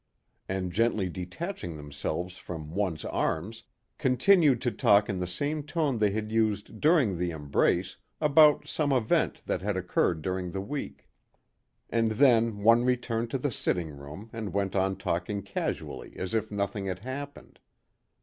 And gently detaching themselves from one's arms, continued to talk in the same tone they had used during the embrace about some event that had occurred during the week. And then one returned to the sitting room and went on talking casually as if nothing had happened.